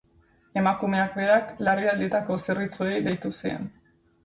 Emakumeak berak larrialdietako zerbitzuei deitu zien.